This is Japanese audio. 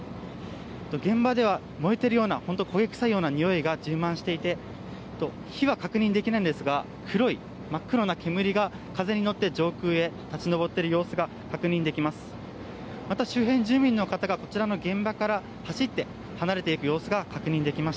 現場では燃えているような焦げ臭いにおいが充満していて火は確認できるんですが真っ黒な煙が風に乗って上空へ立ち上っている様子が確認できます。